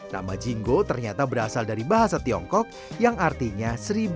nama jingo ternyata berasal dari bahasa tiongkok yang artinya seribu lima ratus rupiah hal ini sesuai dengan